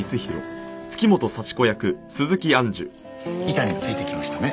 板についてきましたね。